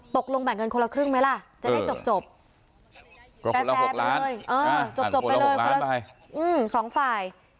ตกลงแบ่งเงินคนละครึ่งไหมล่ะจะได้จบคนละ๖ล้านจบไปเลย๒ฝ่าย